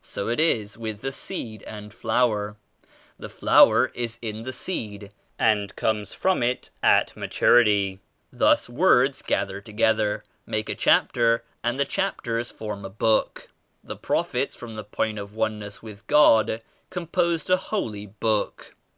So it is with the seed and flower. The flower is in the seed and comes from it at maturity. Thus words gather to gether, make a chapter and the chapters form a book. The Prophets from the Point of One ness with God composed a Holy Book.